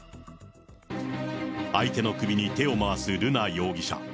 相手の首に手を回す瑠奈容疑者。